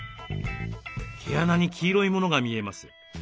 毛穴に黄色いものが見えます。